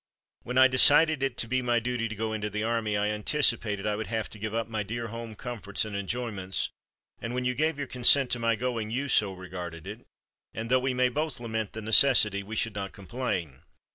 When I decided it to be my duty to go into the army I anticipated I would have to give up my dear home comforts and enjoyment, and when you gave your consent to my going you so regarded it, and though we may both lament the necessity, we should not complain.